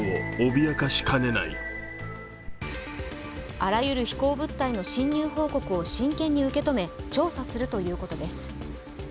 あらゆる飛行物体の侵入報告を真剣に受け止め調査するということです。